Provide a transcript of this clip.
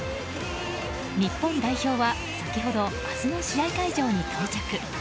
日本代表は先ほど明日の試合会場に到着。